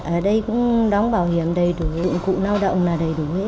ở đây cũng đóng bảo hiểm đầy đủ dụng cụ lao động là đầy đủ